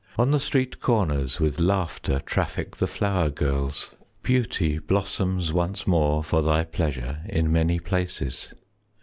On the street corners with laughter Traffic the flower girls. Beauty Blossoms once more for thy pleasure In many places.